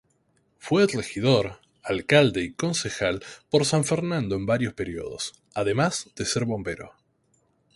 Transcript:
Fue regidor, alcalde y concejal por San Fernando en varios periodos, además de bombero.